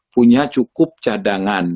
punya cukup cadangan